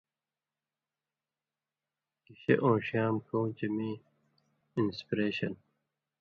گِشے اؤن٘ݜیام کؤں چے میں اِنسپِریشن،